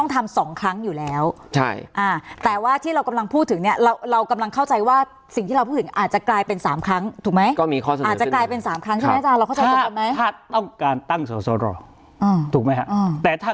ถ้าแต่ถ้าแกเป็นรายมาตรา